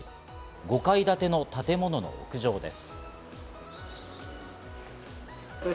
５階建ての建物の屋上です。